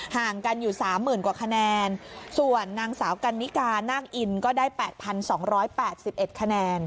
ห่างกันอยู่๓๐๐๐กว่าคะแนนส่วนนางสาวกันนิกานาคอินก็ได้๘๒๘๑คะแนน